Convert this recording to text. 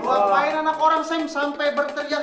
ngapain anak orang sampe berteriak